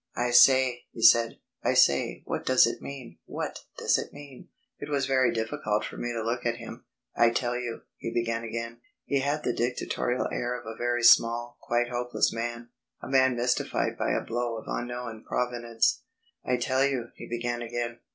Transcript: "I say," he said, "I say, what does it mean; what does it mean?" It was very difficult for me to look at him. "I tell you...." he began again. He had the dictatorial air of a very small, quite hopeless man, a man mystified by a blow of unknown provenance. "I tell you...." he began again.